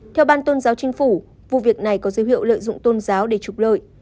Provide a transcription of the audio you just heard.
theo ban tôn giáo chính phủ vụ việc này có dấu hiệu lợi dụng tôn giáo để trục lợi